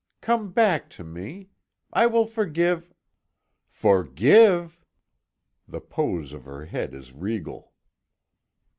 Come back to me. I will forgive " "Forgive!" The pose of her head is regal.